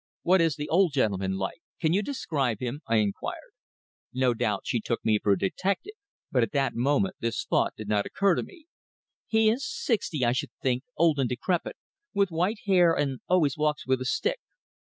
"What is the old gentleman like? Can you describe him?" I inquired. No doubt she took me for a detective, but at that moment this thought did not occur to me. "He is sixty, I should think, old and decrepit, with white hair, and always walks with a stick."